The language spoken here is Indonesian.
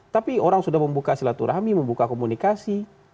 tapi orang sudah membuka silaturahmi membuka komunikasi